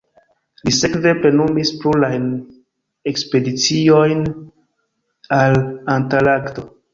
Li sekve plenumis plurajn ekspediciojn al Antarkto.